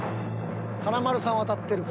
華丸さんは当たってるか。